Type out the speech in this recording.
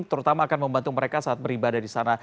terutama akan membantu mereka saat beribadah di sana